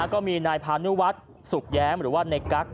ก็มีนายพานุวัฒน์สุขแย้มหรือว่าในกั๊ก